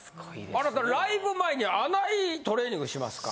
あなたライブ前にあないトレーニングしますか？